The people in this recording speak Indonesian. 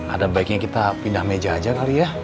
ada baiknya kita pindah meja aja kali ya